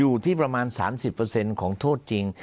อยู่ที่ประมาณ๓๐ของโทษจริง